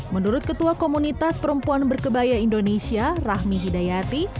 menurut ketua komunitas perempuan berkebaya indonesia rahmi hidayati